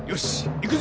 行くぞ！